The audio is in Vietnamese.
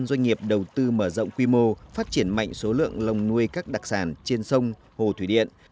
doanh nghiệp đầu tư mở rộng quy mô phát triển mạnh số lượng lồng nuôi các đặc sản trên sông hồ thủy điện